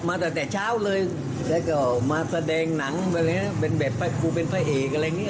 มาตั้งแต่เช้าเลยแล้วก็มาแสดงหนังแบบนี้เป็นแบบครูเป็นผ้าเอกอะไรอย่างนี้